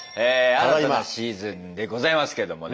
新たなシーズンでございますけどもね。